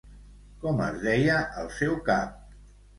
Com es deia el seu cap?